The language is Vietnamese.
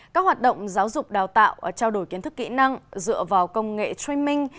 các hoạt động giáo dục đào tạo trao đổi kiến thức kỹ năng dựa vào công nghệ streaming